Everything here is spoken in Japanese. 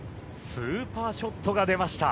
スーパーショットが出ました。